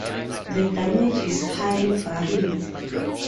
The damage is highly varied.